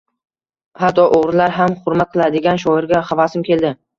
Xatto o’g’rilar ham xurmat qiladigan shoirga xavasim keldi.